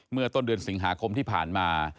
เมื่อต้นเดือนสิงหาคมที่ผ่านมา